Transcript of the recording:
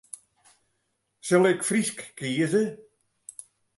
Sil ik Frysk kieze?